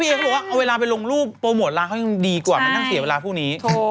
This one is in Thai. พี่เอ่อเขาดูว่าเอาเวลาไปลงรูปโปรโมทราคต์เขายังดีกว่ามันต้องเสียเวลาพวกนี้